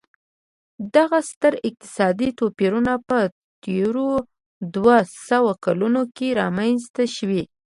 دغه ستر اقتصادي توپیرونه په تېرو دوه سوو کلونو کې رامنځته شوي.